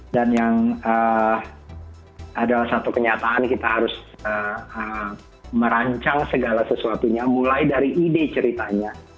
dan yang adalah satu kenyataan kita harus merancang segala sesuatunya mulai dari ide ceritanya